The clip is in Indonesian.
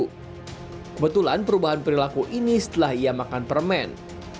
kebetulan perubahan perilaku ini setelah ia makan permen